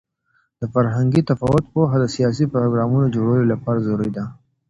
د فرهنګي تفاوت پوهه د سیاسي پروګرامونو جوړولو لپاره ضروري ده.